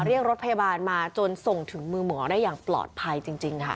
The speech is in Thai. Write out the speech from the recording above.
เรียกรถพยาบาลมาจนส่งถึงมือหมอได้อย่างปลอดภัยจริงค่ะ